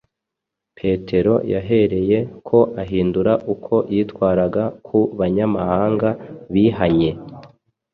Petero yahereye ko ahindura uko yitwaraga ku banyamahanga bihanye.